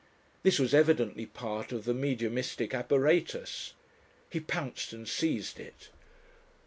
This was evidently part of the mediumistic apparatus. He pounced and seized it.